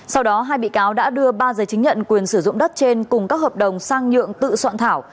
sau đó hai bị cáo đã đưa ba giấy chứng nhận quyền sử dụng đất trên cùng các hợp đồng sang nhượng tự soạn thảo